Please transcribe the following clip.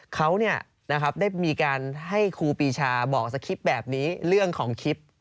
เขาได้มีการให้ครูปีชาบอกสคริปต์แบบนี้เรื่องของคลิป